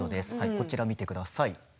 こちらを見てください。